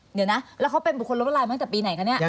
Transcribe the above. เดี๋ยวนะแล้วเขาเป็นบุคคลล้มละลายมาตั้งแต่ปีไหนคะเนี่ย